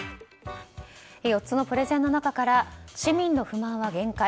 ４つのプレゼンの中から市民の不満は限界